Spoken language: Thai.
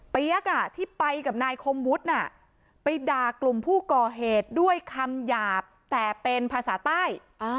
ที่ไปกับนายคมวุฒิน่ะไปด่ากลุ่มผู้ก่อเหตุด้วยคำหยาบแต่เป็นภาษาใต้